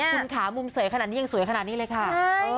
คนขามุมเสนอย่างสวยขนานี่เลยค่ะ